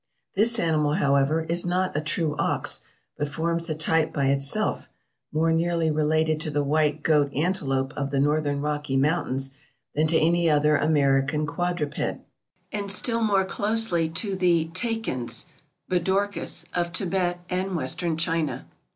This animal, however, is not a true ox, but forms a type by itself, more nearly related to the white goat antelope of the northern Rocky Mountains than to any other American quad ruped, and still more closely to the takins (Budorcas) of Tibet and western China.